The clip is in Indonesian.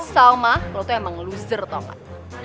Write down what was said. salma lo tuh emang loser tau gak